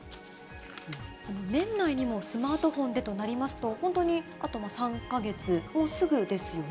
年内にもスマートフォンでとなりますと、本当にあと３か月、もうすぐですよね。